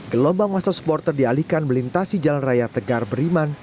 gelombang masa supporter dialihkan melintasi jalan raya tegar beriman